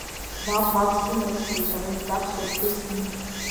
Мап, мап, Сима ус лҳәарым, даԥсуа ԥҳәысми…